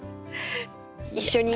一緒に。